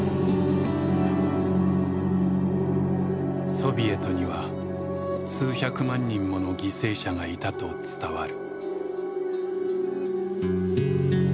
ソビエトには数百万人もの犠牲者がいたと伝わる。